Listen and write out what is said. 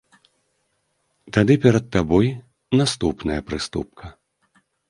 Тады перад табой наступная прыступка.